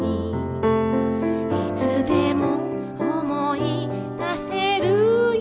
「いつでも思い出せるよ」